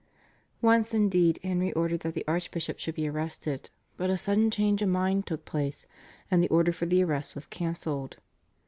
Once indeed Henry ordered that the archbishop should be arrested, but a sudden change of mind took place, and the order for the arrest was cancelled.